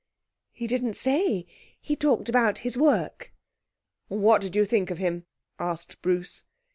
'He didn't say. He talked about his work.' 'What did you think of him?' asked Bruce.